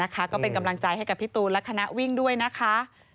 ก็เป็นกำลังใจให้กับพี่ตูนและคณะวิ่งด้วยนะคะ